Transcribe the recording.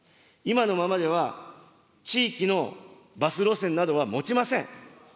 今のままでは、地域のバス路線などはもちません。